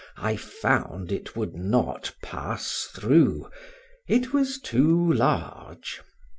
I found it would not pass through it was too large.